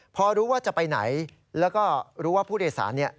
พอรู้ว่าจะไปไหนแล้วก็รู้ว่าผู้โดยสารเนี่ย